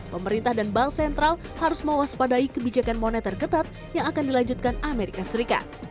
pemerintah dan bank sentral harus mewaspadai kebijakan moneter ketat yang akan dilanjutkan amerika serikat